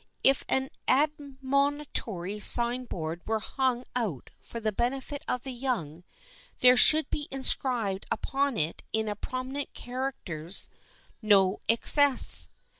If an admonitory sign board were hung out for the benefit of the young, there should be inscribed upon it in prominent characters "no excess."